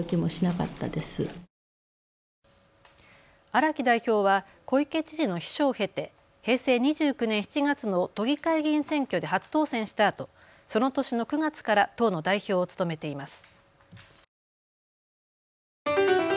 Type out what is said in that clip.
荒木代表は小池知事の秘書を経て平成２９年７月の都議会議員選挙で初当選したあと、その年の９月から党の代表を務めています。